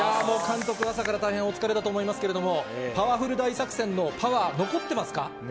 もう監督、朝から大変、お疲れだと思いますけれども、パワフル大作戦のパワー、残ってますか？